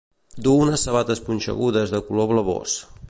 Du unes sabates punxegudes de color blavós.